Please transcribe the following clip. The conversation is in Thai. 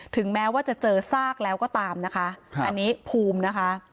ถึงแม้ว่าจะเจอซากแล้วก็ตามนะคะอันนี้ภูมินะคะ